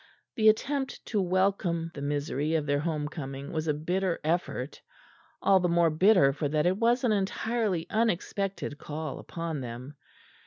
The attempt to welcome the misery of their home coming was a bitter effort; all the more bitter for that it was an entirely unexpected call upon them.